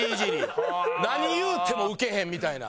何言うてもウケへんみたいな。